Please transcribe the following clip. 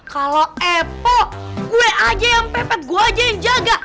kalau epo gue aja yang pepet gue aja yang jaga